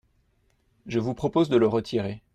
Je vous propose de le retirer.